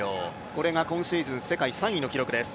これが今シーズン世界３位の記録です。